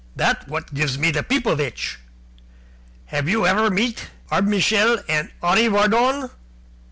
That's what gives me the pipovitch. Have you ever met Arbmishel and Arreevadon?"